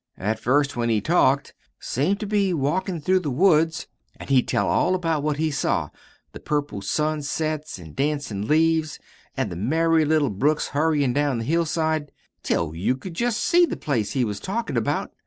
"At first he when he talked seemed to be walkin' through the woods; an' he'd tell all about what he saw; the 'purple sunsets,' an' 'dancin' leaves,' an' the merry little brooks hurryin' down the hillside,' till you could jest SEE the place he was talkin' about.